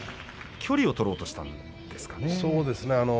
距離を取ろうとしたんですかね。